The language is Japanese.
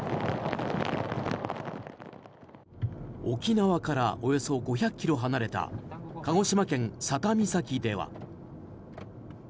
沖縄からおよそ５００ｋｍ離れた鹿児島県・佐多岬では。